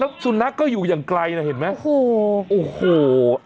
แล้วสูญลักษณ์ก็อยู่อย่างไกลนะเห็นมั้ยโอโหโอโห